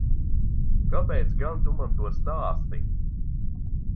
Kāpēc gan Tu man to stāsti?